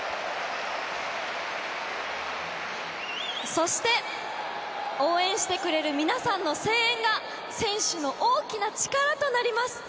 そして、応援してくれる皆さんの声援が選手の大きな力となります。